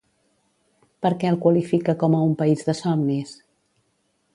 Per què el qualifica com a un país de somnis?